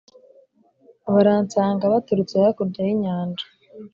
baransanga baturutse hakurya y'inyanja